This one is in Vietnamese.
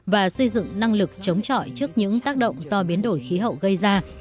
và xây dựng năng lực chống chọi trước những tác động do biến đổi khí hậu gây ra